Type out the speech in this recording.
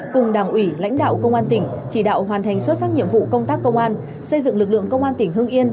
cùng đảng ủy lãnh đạo công an tỉnh chỉ đạo hoàn thành xuất sắc nhiệm vụ công tác công an xây dựng lực lượng công an tỉnh hưng yên